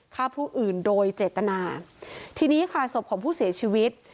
ฆ่าผู้อื่นโดยเจตนาทีนี้ค่ะศพของผู้เสียชีวิต